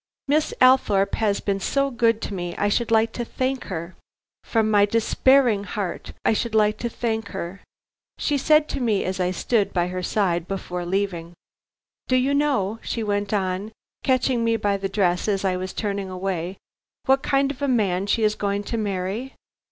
"Miss Althorpe has been so good to me I should like to thank her; from my despairing heart, I should like to thank her," she said to me as I stood by her side before leaving. "Do you know" she went on, catching me by the dress as I was turning away "what kind of a man she is going to marry?